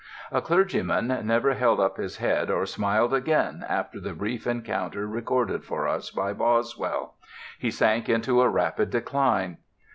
"A Clergyman" never held up his head or smiled again after the brief encounter recorded for us by Boswell. He sank into a rapid decline.